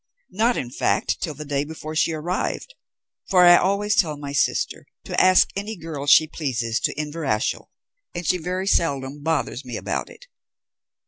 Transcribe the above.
Not, in fact, till the day before she arrived, for I always tell my sister to ask any girls she pleases to Inverashiel, and she very seldom bothers me about it.